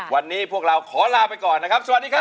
วันนี้พวกเราขอลาไปก่อนนะครับสวัสดีครับ